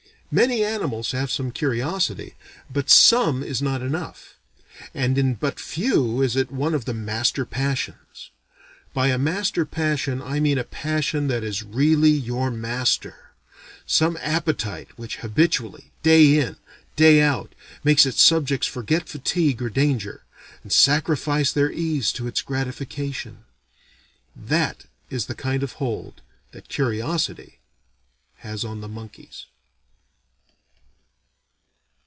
Many animals have some curiosity, but "some" is not enough; and in but few is it one of the master passions. By a master passion, I mean a passion that is really your master: some appetite which habitually, day in, day out, makes its subjects forget fatigue or danger, and sacrifice their ease to its gratification. That is the kind of hold that curiosity has on the monkeys.